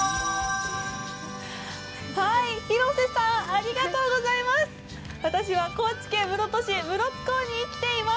広瀬さん、ありがとうございます！